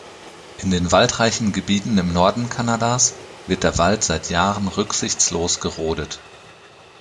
In den waldreichen Gebieten im Norden Kanadas wird der Wald seit Jahren rücksichtslos gerodet.